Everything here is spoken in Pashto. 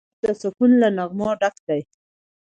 خوب د سکون له نغمو ډک دی